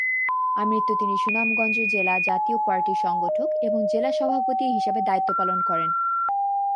আমৃত্যু তিনি সুনামগঞ্জ জেলা জাতীয় পার্টির সংগঠক এবং জেলা সভাপতি হিসাবে দায়িত্ব পালন করেন।